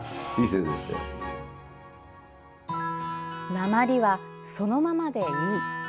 なまりは、そのままでいい。